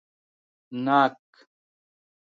🍐ناک